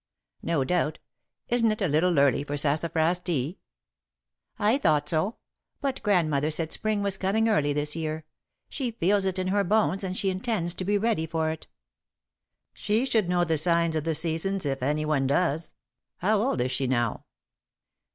"No doubt. Isn't it a little early for sassafras tea?" "I thought so, but Grandmother said Spring was coming early this year. She feels it in her bones and she intends to be ready for it." "She should know the signs of the seasons, if anyone does. How old is she now?"